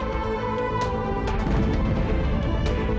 aku mau mencari uang buat bayar tebusan